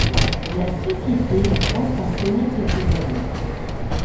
La société reste en sommeil quelques années.